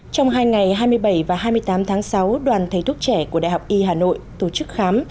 trong hai ngày hai mươi bảy và hai mươi tám tháng sáu đoàn thầy thuốc trẻ của đại học y hà nội tổ chức khám